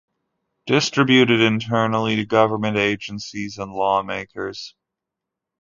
Distributed internally to government agencies and lawmakers.